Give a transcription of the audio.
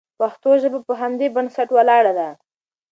پښتو ژبه په همدې بنسټ ولاړه ده.